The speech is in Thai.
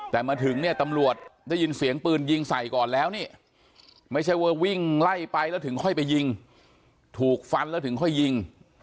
แต่มาถึงเนี่ยตำรวจได้ยินเสียงปืนยิงใส่ก่อนแล้วนี่ไม่ใช่ว่าวิ่งไล่ไปแล้วถึงค่อยไปยิงถูกฟันแล้วถึงค่อยยิง